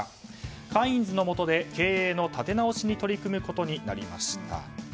カインズのもとで経営の立て直しに取り組むことになりました。